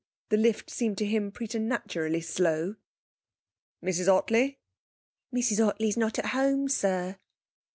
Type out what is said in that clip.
The lift seemed to him preternaturally slow. 'Mrs Ottley?' 'Mrs Ottley is not at home, sir.'